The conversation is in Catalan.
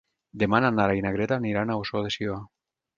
Demà na Nara i na Greta aniran a Ossó de Sió.